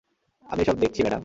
আমি এসব দেখছি, ম্যাডাম।